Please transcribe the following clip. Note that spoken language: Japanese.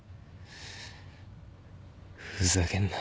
ふざけんな。